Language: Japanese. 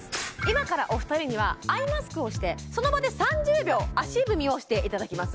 今からお二人にはアイマスクをしてその場で３０秒足踏みをしていただきます